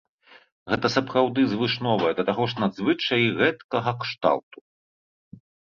Гэта сапраўды звышновая, да таго ж надзвычай рэдкага кшталту.